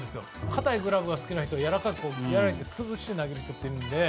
かたいグラブが好きな人やわらかくして潰して投げる人もいるので。